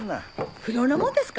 不良なもんですか！